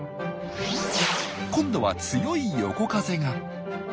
今度は強い横風が。